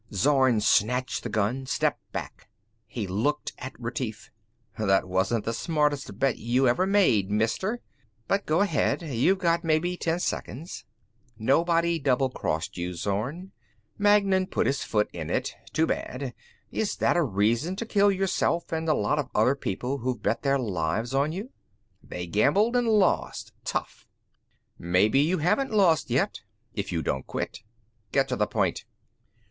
Zorn snatched the gun, stepped back. He looked at Retief. "That wasn't the smartest bet you ever made, Mister; but go ahead. You've got maybe ten seconds." "Nobody doublecrossed you, Zorn. Magnan put his foot in it. Too bad. Is that a reason to kill yourself and a lot of other people who've bet their lives on you?" "They gambled and lost. Tough." "Maybe you haven't lost yet if you don't quit." "Get to the point!"